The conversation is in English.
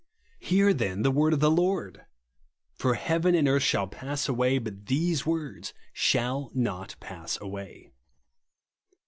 Hear, then, the word of the Lord ! For heaven and earth shall pass away, but these words shall not pass away.